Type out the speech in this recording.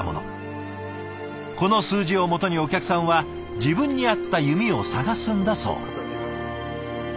この数字をもとにお客さんは自分に合った弓を探すんだそう。